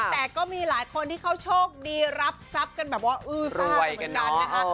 แต่ก็มีหลายคนที่เขาโชคดีรับทรัพย์กันแบบว่าอื้อซ่าไปเหมือนกันนะคะ